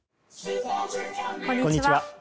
こんにちは。